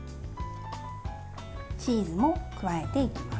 チーズも加えていきます。